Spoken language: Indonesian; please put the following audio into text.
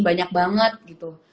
banyak banget gitu